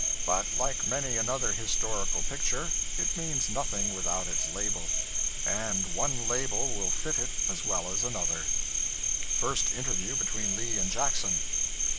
But, like many another historical picture, it means nothing without its label. And one label will fit it as well as another First Interview between Lee and Jackson.